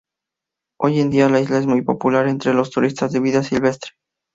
Hoy en día la isla es muy popular entre los turistas de vida silvestre.